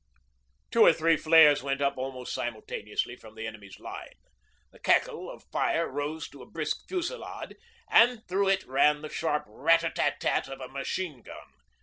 Two or three flares went up almost simultaneously from the enemy's line, the crackle of fire rose to a brisk fusillade, and through it ran the sharp 'rat at at at' of a machine gun.